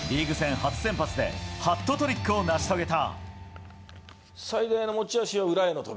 初先発でハットトリックを成し遂げた。